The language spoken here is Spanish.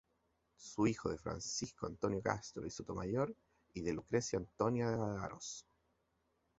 Fue hijo de Francisco Antonio Castro y Sotomayor y de Lucrecia Antonia de Araoz.